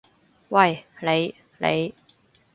喂，你！你！